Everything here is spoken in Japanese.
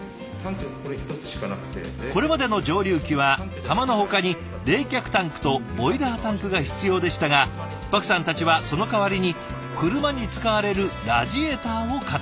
これまでの蒸留機はかまのほかに冷却タンクとボイラータンクが必要でしたがパクさんたちはその代わりに車に使われるラジエーターを活用。